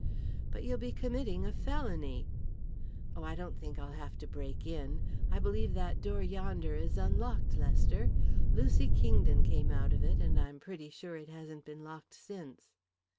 "But you'll be committing a felony." "Oh, I don't think I'll have to break in. I believe that door yonder is unlocked, Lester. Lucy Kingdon came out of it, and I'm pretty sure it hasn't been locked since."